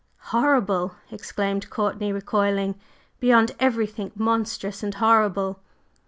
"Horrible!" exclaimed Courtney, recoiling. "Beyond everything monstrous and horrible!"